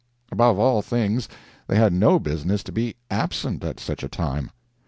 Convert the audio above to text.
Above all things, they had no business to be absent at such a time.